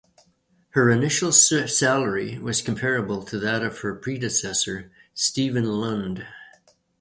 Her initial salary was comparable to that of her predecessor, Stephen Lund.